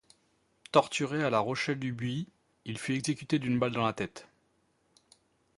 Torturé à La Rochette-du-Buis, il fut exécuté d'une balle dans la tête.